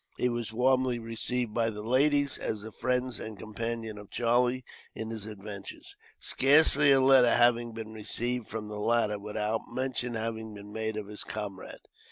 He was warmly received, by the ladies, as the friend and companion of Charlie in his adventures; scarcely a letter having been received, from the latter, without mention having been made of his comrade.